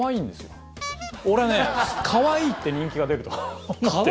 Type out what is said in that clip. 俺ねカワイイって人気が出ると思って。